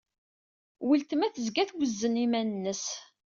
Weltma tezga twezzen iman-nnes.